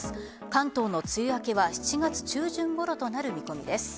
関東の梅雨明けは７月中旬ごろとなる見込みです。